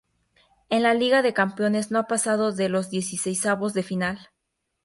En la Liga de Campeones no ha pasado de los dieciseisavos de final.